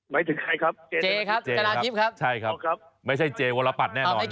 ไม่ใช่ใครครับเจครับนายแจราชิพครับใช่ครับไม่ใช่เจวัรพัฒน์แน่นอนครับ